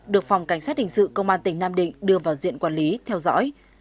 được phòng cảnh sát hình sự công an tỉnh nam định đưa vào diện quản lý theo dõi